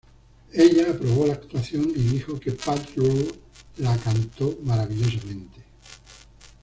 Ella aprobó la actuación, y dijo que Paltrow "la cantó maravillosamente".